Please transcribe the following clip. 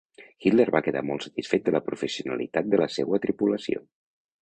Hitler va quedar molt satisfet de la professionalitat de la seua tripulació.